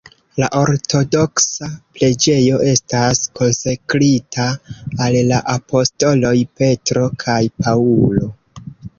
La ortodoksa preĝejo estas konsekrita al la apostoloj Petro kaj Paŭlo.